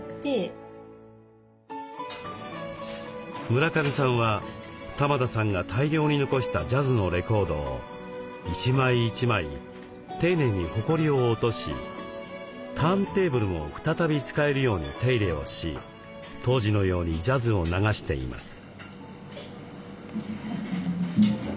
村上さんは玉田さんが大量に残したジャズのレコードを一枚一枚丁寧にほこりを落としターンテーブルも再び使えるように手入れをし当時のようにジャズを流しています。